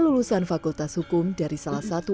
dari salah satu universitas yang mengambil makhluk yang baik